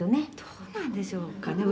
「どうなんでしょうかね」